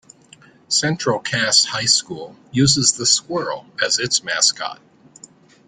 Central Cass High School uses the squirrel as its mascot.